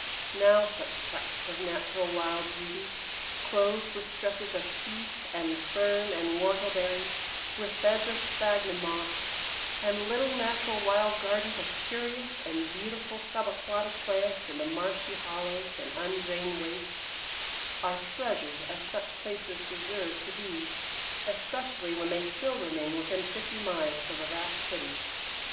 Now such tracts of natural wild beauty, clothed with stretches of Heath and Fern and Whortleberry, with beds of Sphagnum Moss, and little natural wild gardens of curious and beautiful sub aquatic plants in the marshy hollows and undrained wastes, are treasured as such places deserve to be, especially when they still remain within fifty miles of a vast city.